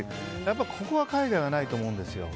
ここは海外はないと思うんですよ。